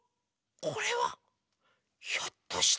これはひょっとして。